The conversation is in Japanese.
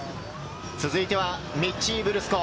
続いてはミッチー・ブルスコ。